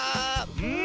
うん。